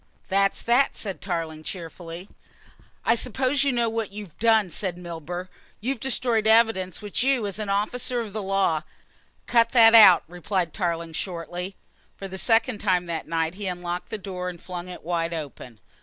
"That's that," said Tarling cheerfully. "I suppose you know what you've done," said Milburgh. "You've destroyed evidence which you, as an officer of the law " "Cut that out," replied Tarling shortly. For the second time that night he unlocked the door and flung it wide open.